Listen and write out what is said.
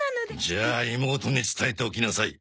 じゃあ妹に伝えておきなさい。